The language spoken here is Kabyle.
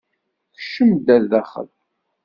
Kcem-d ar daxel!